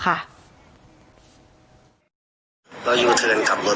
แก่นเข้าตรงไหน